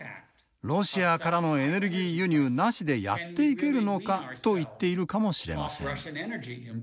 ロシアからのエネルギー輸入なしでやっていけるのかと言っているかもしれません。